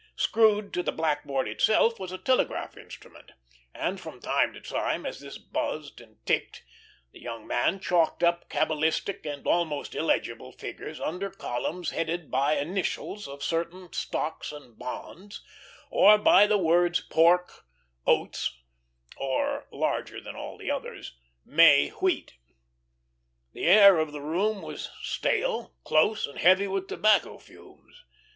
Screwed to the blackboard itself was a telegraph instrument, and from time to time, as this buzzed and ticked, the young man chalked up cabalistic, and almost illegible figures under columns headed by initials of certain stocks and bonds, or by the words "Pork," "Oats," or, larger than all the others, "May Wheat." The air of the room was stale, close, and heavy with tobacco fumes.